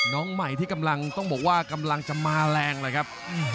น้องใหม่ที่กำลังต้องบอกว่ากำลังจะมาแรงเลยครับ